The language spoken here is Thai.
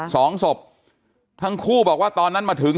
สองศพทั้งคู่บอกว่าตอนนั้นมาถึง